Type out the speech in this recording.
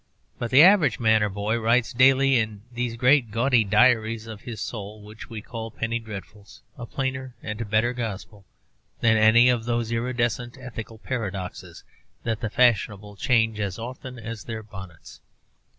But the average man or boy writes daily in these great gaudy diaries of his soul, which we call Penny Dreadfuls, a plainer and better gospel than any of those iridescent ethical paradoxes that the fashionable change as often as their bonnets.